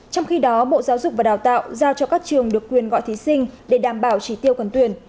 trong khi đó bộ giáo dục và đào tạo giao cho các trường được quyền gọi thí sinh để đảm bảo chỉ tiêu còn tuyển